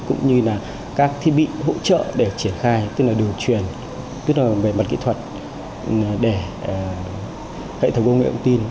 cũng như là các thiết bị hỗ trợ để triển khai tức là điều truyền tức là về mặt kỹ thuật để hệ thống công nghệ thông tin